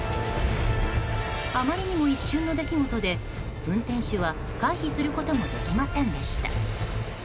あまりにも一瞬の出来事で運転手は回避することもできませんでした。